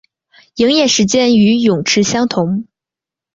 营业时间与泳池相同。